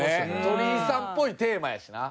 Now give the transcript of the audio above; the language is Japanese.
鳥居さんっぽいテーマやしな。